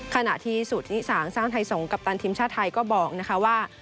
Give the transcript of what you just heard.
ขณะที่สุดที่สาวอังสร้างไทยสงฆ์กัปตันทีมชาไทยก็บอกนะคะว่า